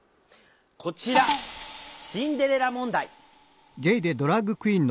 こちら「シンデレラ問題」。